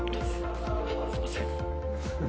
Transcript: すいません。